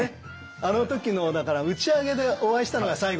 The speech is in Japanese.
あの時のだから打ち上げでお会いしたのが最後ですね。